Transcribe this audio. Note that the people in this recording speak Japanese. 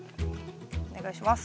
お願いします。